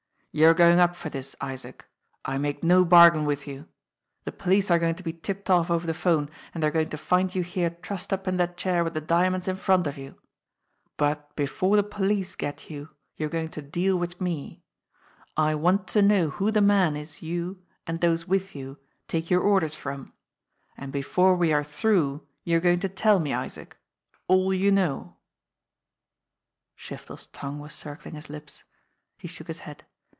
"You're going up for this, Isaac. I make no bargain with you. The police are going to be tipped off over the phone, and they are going to find you here trussed up in that chair with the diamonds in front of you. But before the police get you, you are going to deal with me. I want to know who the man is you, and those with you, take your orders from. And before we are through you are going to tell me, Isaac all you know." Shiftel's tongue was circling his lips. He shook his head.